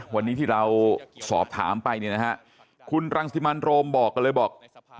วันนี้ที่เราสอบถามไปเนี่ยนะฮะคุณรังสิมันโรมบอกกันเลยบอก